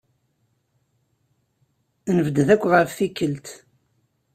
Nebded akk ɣef tikkelt.